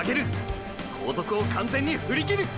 後続を完全にふりきる！！